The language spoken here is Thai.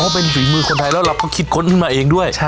เพราะเป็นฝีมือคนไทยแล้วเราก็คิดค้นขึ้นมาเองด้วย